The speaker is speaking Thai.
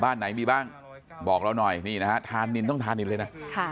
บ้านไหนมีบ้างบอกเราหน่อยนี่นะฮะทานนินต้องทานินเลยนะ